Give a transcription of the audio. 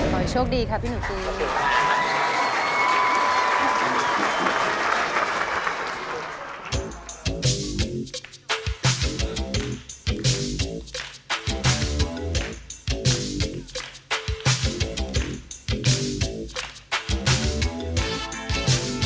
โหยโชคดีครับพี่หนูตี